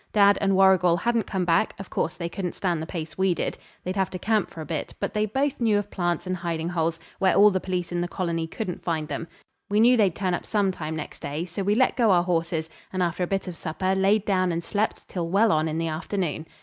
Dad and Warrigal hadn't come back; of course they couldn't stand the pace we did. They'd have to camp for a bit, but they both knew of plants and hiding holes, where all the police in the colony couldn't find them. We knew they'd turn up some time next day. So we let go our horses, and after a bit of supper laid down and slept till well on in the afternoon.